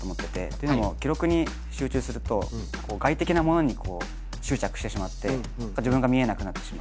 というのも記録に集中すると外的なものに執着してしまって自分が見えなくなってしまう。